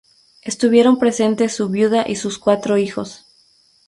Estuvieron presentes su viuda y sus cuatro hijos.